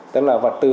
tức là vật tư